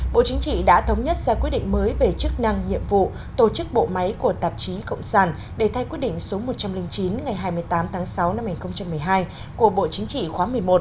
bộ chính trị đã thống nhất ra quyết định mới về chức năng nhiệm vụ tổ chức bộ máy của tạp chí cộng sản để thay quyết định số một trăm linh chín ngày hai mươi tám tháng sáu năm hai nghìn một mươi hai của bộ chính trị khóa một mươi một